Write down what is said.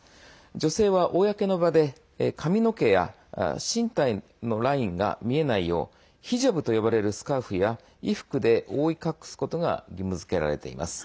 女性は公の場で、髪の毛や身体のラインが見えないようヒジャブと呼ばれるスカーフや衣服で覆い隠すことが義務づけられています。